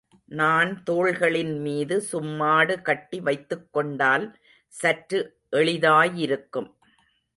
நான் தோள்களின் மீது சும்மாடு கட்டி வைத்துக்கொண்டால் சற்று எளிதாயிருக்கும்.